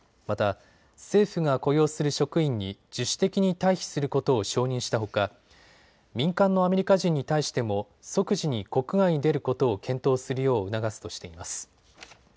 また、政府が雇用する職員に自主的に退避することを承認したほか民間のアメリカ人に対しても即時に国外に出ることを検討するよう促すとしています。